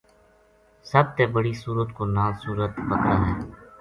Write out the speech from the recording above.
سب تے بڑٰی سورت کو ناں سورت بقرہ ہے۔